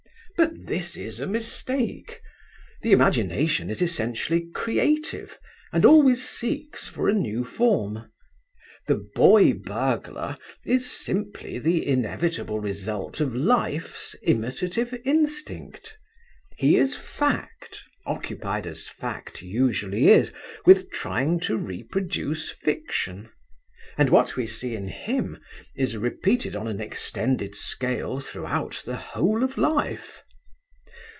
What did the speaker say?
But this is a mistake. The imagination is essentially creative, and always seeks for a new form. The boy burglar is simply the inevitable result of life's imitative instinct. He is Fact, occupied as Fact usually is, with trying to reproduce Fiction, and what we see in him is repeated on an extended scale throughout the whole of life.